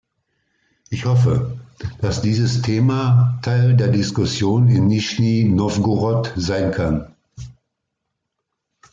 Ich hoffe, dass dieses Thema Teil der Diskussionen in Nischni Nowgorod sein kann.